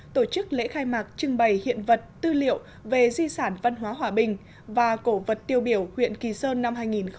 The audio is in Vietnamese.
tổ chức lễ khai mạc trưng bày hiện vật tư liệu về di sản văn hóa hòa bình và cổ vật tiêu biểu huyện kỳ sơn năm hai nghìn một mươi chín